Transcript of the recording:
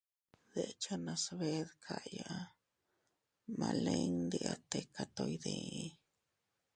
Dechenas bee dkaya ma lin ndi a tika to iydii.